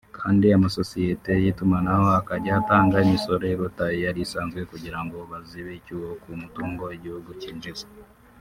kandi amasosiyete y’itumanaho akajya atanga imisoro iruta iyari isanzwe kugirango bazibe icyuho ku mutungo igihugu cyinjiza